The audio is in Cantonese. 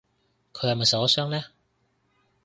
佢係咪受咗傷呢？